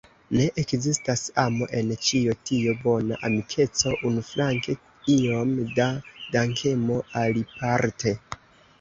Ne ekzistas amo en ĉio tio: bona amikeco unuflanke, iom da dankemo aliparte.